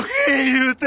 言うて。